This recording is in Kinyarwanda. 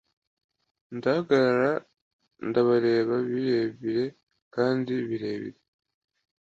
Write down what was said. Ndahagarara ndabareba birebire kandi birebire.